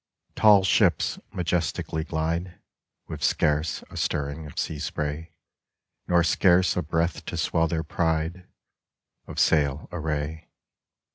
Tall ships majestically glide With scarce a stirring of sea spray Nor scarce a breath to swell their pride Of sail array